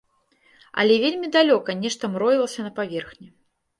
Але вельмі далёка нешта мроілася на паверхні.